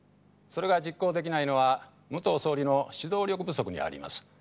それが実行出来ないのは武藤総理の指導力不足にあります。